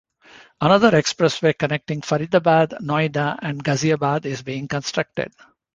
Another Expressway connecting Faridabad, Noida and Ghaziabad is being constructed.